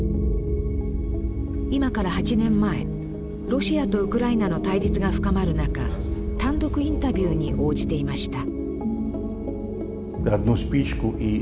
ロシアとウクライナの対立が深まる中単独インタビューに応じていました